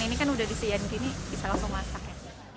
ini kan udah disien gini bisa langsung masak ya